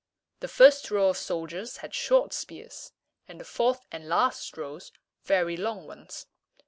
The first row of soldiers had short spears, and the fourth and last rows very long ones.